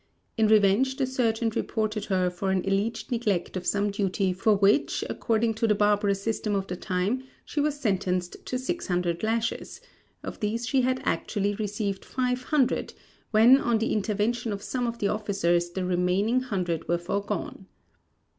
In revenge the sergeant reported her for an alleged neglect of some duty for which according to the barbarous system of the time she was sentenced to 600 lashes; of these she had actually received 500 when on the intervention of some of the officers the remaining hundred were foregone.